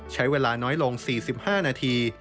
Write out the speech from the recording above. ใช้เวลาน้อยลง๔๕นาที